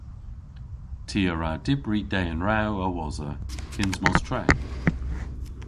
Ty a wra dybri dehen rew a-wosa kyns mos tre.